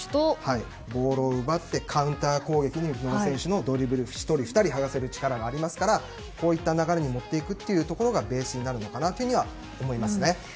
ボールを奪ってカウンター攻撃の久保選手で１人、２人と剥がせる力がありますからそういう流れに持っていくところがベースになるのかなとは思いますね。